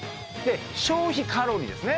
消費カロリーですね